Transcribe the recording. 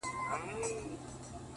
له دېيم کور چي شپېلۍ ورپسې پوُ کړه-